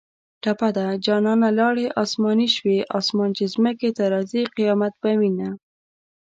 ټپه ده: جانانه لاړې اسماني شوې اسمان چې ځمکې ته راځي قیامت به وینه